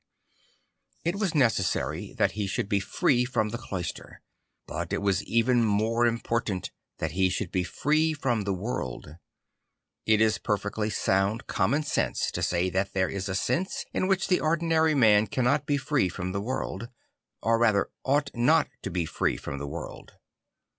It was necessary that he should be free from the cloister; but it was even more im port an t tha t he should be free from the world. It is perfectly sound common sense to say that there is a sense in which the ordinary man cannot be free from the world; or rather ought not to be free from the world.